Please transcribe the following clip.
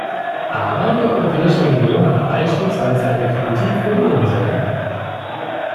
Aber die Europäische Union hat beispielsweise eine Politik für die Inseln.